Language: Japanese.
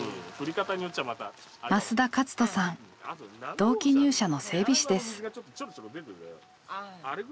同期入社の整備士です。